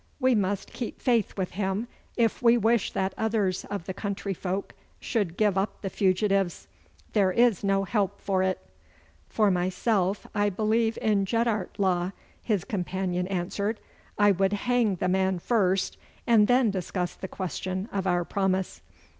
We must keep faith with him if we wish that others of the country folk should give up the fugitives. There is no help for it!' 'For myself I believe in Jeddart law,' his companion answered. 'I would hang the man first and then discuss the question of our promise.